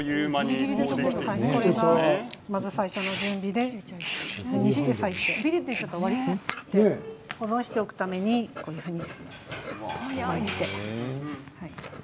これがまず最初の準備でこういうふうに裂いて保存しておくためにこういうふうに巻いて。